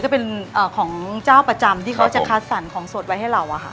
จะเป็นของเจ้าประจำที่เขาจะคัดสรรของสดไว้ให้เราอะค่ะ